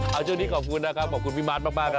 เอาช่วงนี้ขอบคุณนะครับขอบคุณพี่มาร์ทมากนะครับ